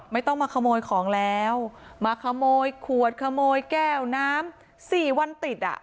ไม่ต้องมาขโมยของแล้วมาขโมยขวดขโมยแก้วน้ำสี่วันติดอ่ะ